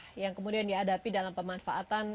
apa yang kemudian dihadapi dalam pemanfaatan